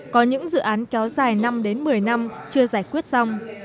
có những dự án kéo dài năm đến một mươi năm chưa giải quyết xong